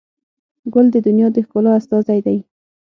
ګل د دنیا د ښکلا استازی دی.